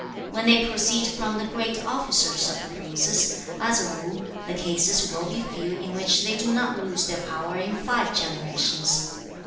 When they proceed from the Great officers of the princes, as a rule, the cases will be few in which they do not lose their power in five generations.